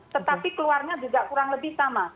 tetapi keluarnya juga kurang lebih sama dua puluh dua puluh